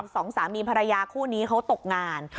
สองสามีภรรยาคู่นี้เขาตกงาน